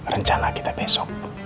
rencana kita besok